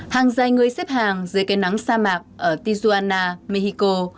hàng dài người xếp hàng dưới cây nắng sa mạc ở tijuana mexico